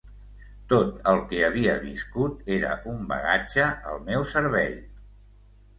Tot el que havia viscut era un bagatge al meu servei.